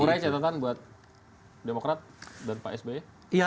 bung rai catatan buat demokrasi dan pak sby